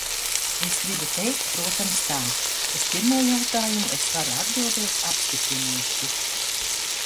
Es gribu teikt, protams, tā: uz pirmo jautājumu es varu atbildēt apstiprinoši.